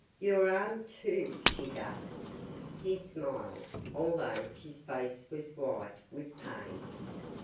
"Your arm, too!" she gasped. He smiled, although his face was white with pain.